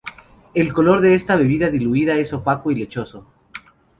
El color de esta bebida diluida es opaco y lechoso.